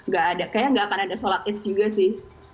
gak ada kayaknya nggak akan ada sholat id juga sih